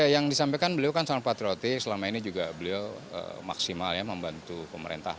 yang disampaikan beliau kan seorang patrioti selama ini juga beliau maksimal membantu pemerintah